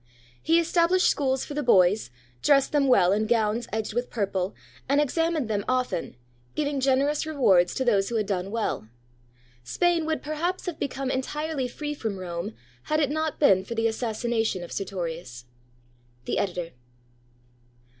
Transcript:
He established schools for the boys, dressed them well in gowns edged with purple, and examined them often, giving generous rewards to those who had done well. Spain would perhaps have become entirely free from Rome, had it not been for the assassination of Sertorius. The Editor.